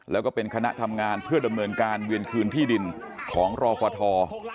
แล้วก็เป็นคณะทำงานเพื่อดำเนินการเวียนคืนที่ดินของรอฟท